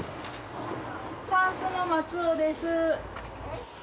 「たんす」の松尾です。